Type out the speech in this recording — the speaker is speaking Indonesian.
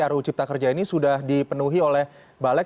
aru cipta kerja ini sudah dipenuhi oleh balek